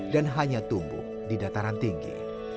dan hanya tumbuh di dataran tinggi